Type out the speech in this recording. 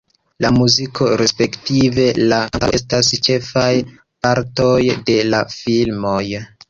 La muziko, respektive la kantado estas ĉefaj partoj de la filmoj.